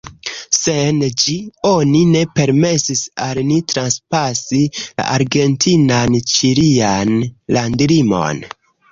Sen ĝi oni ne permesis al ni transpasi la argentinan-ĉilian landlimon.